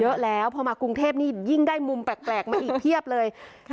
เยอะแล้วพอมากรุงเทพนี่ยิ่งได้มุมแปลกมาอีกเพียบเลย